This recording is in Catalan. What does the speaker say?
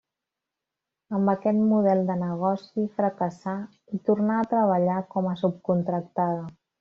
Amb aquest model de negoci fracassà i tornà a treballar com a subcontractada.